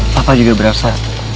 papa juga berasa